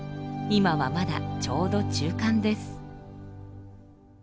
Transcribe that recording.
今はまだちょうど中間です。